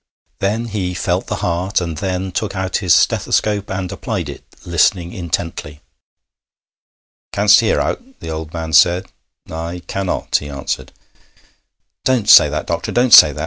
Then he felt the heart, and then took out his stethoscope and applied it, listening intently. 'Canst hear owt?' the old man said. 'I cannot,' he answered. 'Don't say that, doctor don't say that!